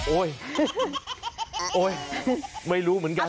โอ้ยไม่รู้เหมือนกัน